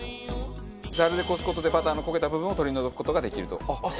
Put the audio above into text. ザルでこす事でバターの焦げた部分を取り除く事ができると。